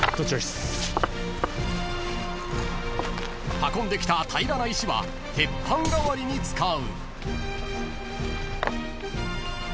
［運んできた平らな石は鉄板代わりに使う］